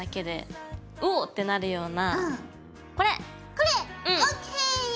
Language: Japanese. これ！ＯＫ。